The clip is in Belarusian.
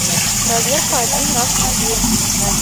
Праверка адзін раз на дзень.